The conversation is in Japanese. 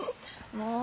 もう！